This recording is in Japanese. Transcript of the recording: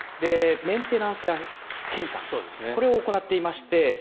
メンテナンスや検査これを行っていまして